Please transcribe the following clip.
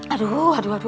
aduh aduh aduh